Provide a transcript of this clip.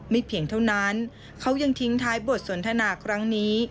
เพียงเท่านั้นเขายังทิ้งท้ายบทสนทนาครั้งนี้